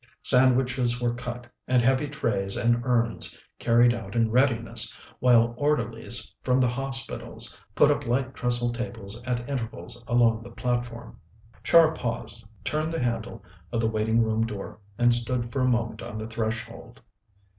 Sandwiches were cut, and heavy trays and urns carried out in readiness, while orderlies from the hospitals put up light trestle tables at intervals along the platform. Char paused, turned the handle of the waiting room door, and stood for a moment on the threshold.